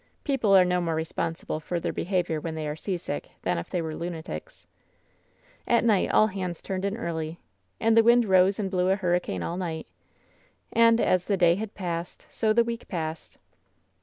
People are no more responsible for their ^behavior when they are seasick than if they were lunatics. At night all hands turned in early. And the wind rose and blew a hurricane all night. Ajid as the day had passed, so the week passed.